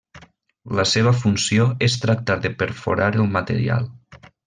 La seva funció és tractar de perforar el material.